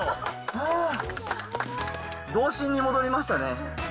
ああ、童心に戻りましたね。